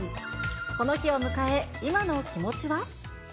この日を迎え、今の気持ちは？